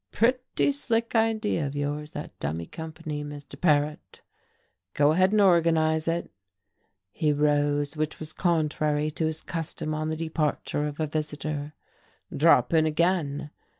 "Pretty slick idea of yours, that dummy company, Mr. Paret. Go ahead and organize it." He rose, which was contrary to his custom on the departure of a visitor. "Drop in again.